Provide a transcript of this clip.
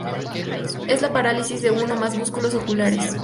Es la parálisis de uno o más músculos oculares.